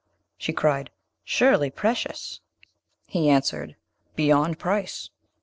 She cried, 'Surely precious?' He answered, 'Beyond price!'